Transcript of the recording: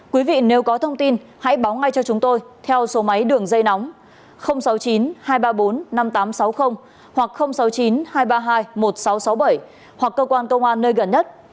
quý vị nếu có thông tin hãy báo ngay cho chúng tôi theo số máy đường dây nóng sáu mươi chín hai trăm ba mươi bốn năm nghìn tám trăm sáu mươi hoặc sáu mươi chín hai trăm ba mươi hai một nghìn sáu trăm sáu mươi bảy hoặc cơ quan công an nơi gần nhất